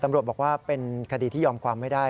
ตำรวจบอกว่าเป็นคดีที่ยอมความไม่ได้